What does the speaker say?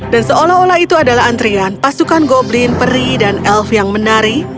dan seolah olah itu adalah antrian pasukan goblin peri dan elf yang menari